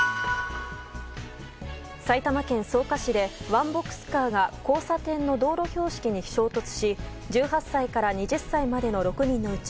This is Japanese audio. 埼玉県草加市でワンボックスカーが交差点の道路標識に衝突し１８歳から２０歳までの６人のうち